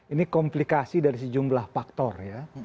ini komplikasi dari sejumlah faktor ya